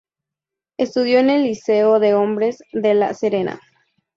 Estudio en el Liceo de Hombres de La Serena.